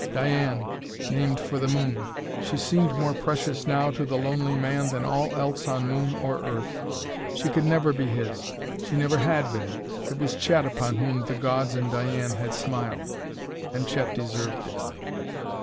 Diane named for the moon: she seemed more precious now to the lonely man than all else on moon or Earth. She could never be his; she never had been. It was Chet upon whom the gods and Diane had smiled. And Chet deserved it.